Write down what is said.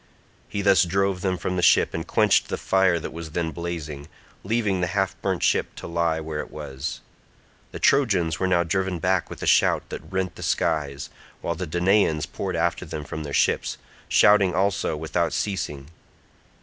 He thus drove them from the ship and quenched the fire that was then blazing—leaving the half burnt ship to lie where it was. The Trojans were now driven back with a shout that rent the skies, while the Danaans poured after them from their ships, shouting also without ceasing.